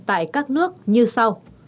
tại các nước như sau